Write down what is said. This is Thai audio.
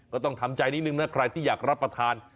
ก็ต้องทำใจนิดนึงนะใครที่อยากรับประทาน